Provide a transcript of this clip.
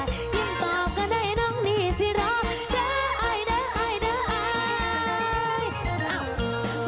ยิ้มตอบก็ได้น้องนี่สิรอเด้ออายเด้ออายเด้ออาย